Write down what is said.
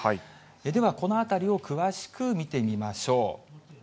では、この辺りを詳しく見てみましょう。